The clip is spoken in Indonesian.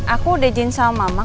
aku udah izin sama mama